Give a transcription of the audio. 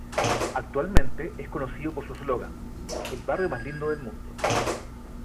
Actualmente, es conocido por su slogan: "El barrio más lindo del mundo".